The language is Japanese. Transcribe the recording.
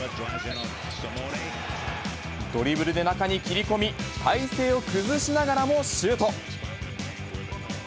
ドリブルで中に切り込み、体勢を崩しながらもシュート。